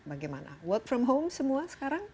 bagaimana work from home semua sekarang